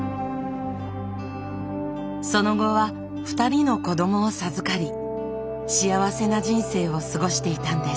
その後は２人の子どもを授かり幸せな人生を過ごしていたんです。